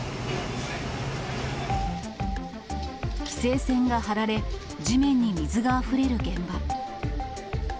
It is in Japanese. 規制線が張られ、地面に水があふれる現場。